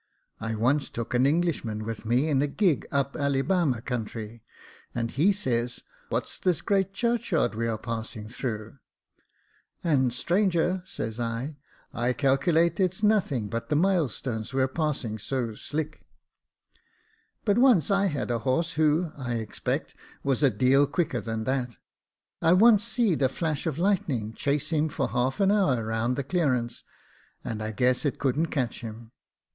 I once took an Englishman with me in a gig up Allibama country, and he says, * What's this great churchyard we are passing through ?'* And stranger,' says I, * I calculate its nothing but the milestones we are passing so slick.^ But I once had a horse, who, I expect, was a deal quicker than that. I once seed a flash of lightning chase him for half an hour round the clearance, and I guess it couldn't catch him.